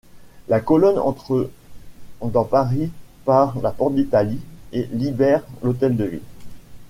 La colonne entre dans Paris par la Porte d'Italie, et libère l'Hôtel de Ville.